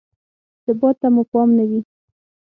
ثبات ته مو پام نه وي.